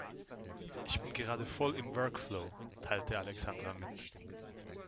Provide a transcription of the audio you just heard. "Ich bin gerade voll im Workflow", teilte Alexandra mit.